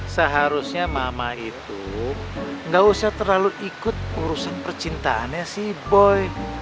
seharusnya mama itu gak usah terlalu ikut urusan percintaannya si boy